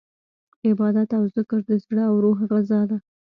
عبادت او ذکر د زړه او روح غذا ده.